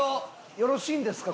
よろしいんですか？